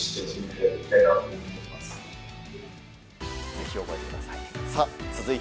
ぜひ、覚えてください。